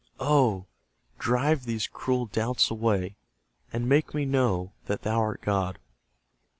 Oh, drive these cruel doubts away; And make me know, that Thou art God!